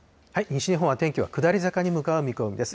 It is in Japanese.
西日本は天気は下り坂に向かう見込みです。